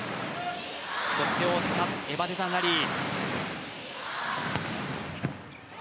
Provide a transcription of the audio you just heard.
そして大塚エバデダン・ラリー。